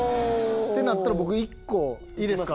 てなったら僕１個いいですか？